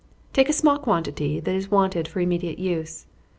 _ Take a small quantity, that is wanted for immediate use.